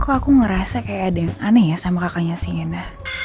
kok aku ngerasa kayak ada yang aneh ya sama kakaknya sienna